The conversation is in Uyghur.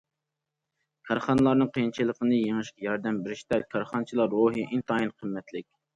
كارخانىلارنىڭ قىيىنچىلىقنى يېڭىشىگە ياردەم بېرىشتە كارخانىچىلار روھى ئىنتايىن قىممەتلىك.